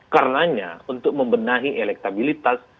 karenanya untuk membenahi elektabilitas